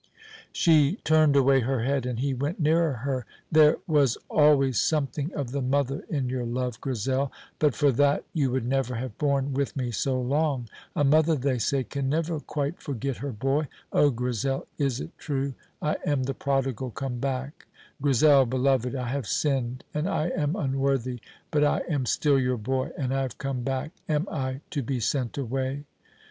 She turned away her head, and he went nearer her. "There was always something of the mother in your love, Grizel; but for that you would never have borne with me so long. A mother, they say, can never quite forget her boy oh, Grizel, is it true? I am the prodigal come back. Grizel, beloved, I have sinned and I am unworthy, but I am still your boy, and I have come back. Am I to be sent away?"